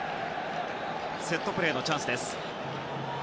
セットプレーのチャンス。